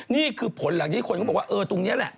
นี่คือผลหลังที่คนก็บอกว่าเออตรงนี้แหละ